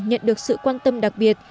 mang lại sự quan tâm đặc biệt